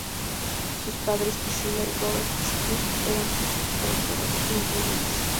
Sus padres, Priscilla y Robert Squire, eran prósperos e influyentes.